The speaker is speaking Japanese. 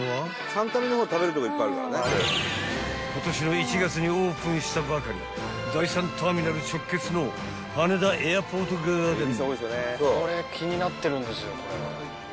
［今年の１月にオープンしたばかり第３ターミナル直結の羽田エアポートガーデン］